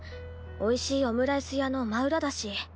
おいしいオムライス屋の真裏だし。